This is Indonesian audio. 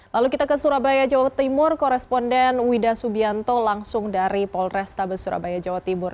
lalu kita ke surabaya jawa timur koresponden wida subianto langsung dari polrestabes surabaya jawa timur